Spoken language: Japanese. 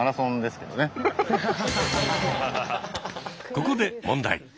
ここで問題。